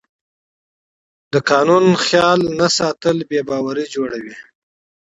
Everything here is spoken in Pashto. د قانون نه مراعت بې باوري جوړوي